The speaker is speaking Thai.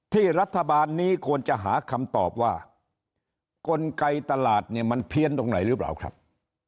ที่รัฐบาลนี้ควรจะหาคำตอบว่ากลไกตลาดเนี่ยมันเพี้ยนตรงไหนหรือเปล่าครับ